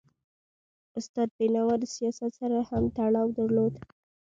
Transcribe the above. استاد بینوا د سیاست سره هم تړاو درلود.